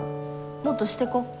もっとしてこ。